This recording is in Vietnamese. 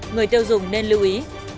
người tiêu dùng nên lưu ý